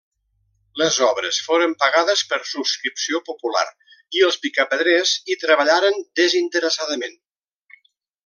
Les obres foren pagades per subscripció popular i els picapedrers hi treballaren desinteressadament.